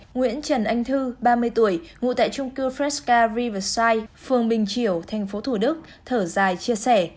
nguyễn trần anh thư ba mươi tuổi ngụ tại trung cư fresca riverside phường bình triều thành phố thủ đức thở dài chia sẻ